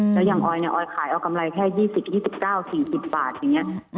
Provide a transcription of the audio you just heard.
แล้วอย่างออยเนี่ยออยขายเอากำไรแค่๒๐๒๙๔๐บาทอย่างนี้